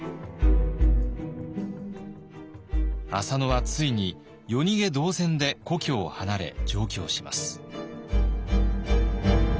浅野はついに夜逃げ同然で故郷を離れ上京します。